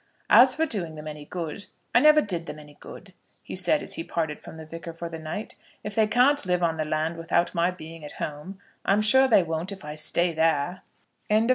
"As for doing them any good, I never did them any good," he said, as he parted from the Vicar for the night. "If they can't live on the land without my being at home, I am sure they won't if I stay there." CHAPTER LXIX.